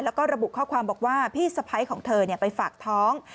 แล้วก็ระบุข้อความบอกว่าพี่สะพ้ายของเธอไปฝากท้อง